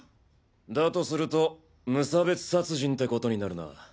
だとすると無差別殺人ってことになるな。